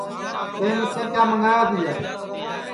تیئں مِسے کیا منٚگوایا تیا